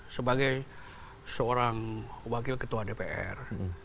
sebagai seorang wakil ketua dpr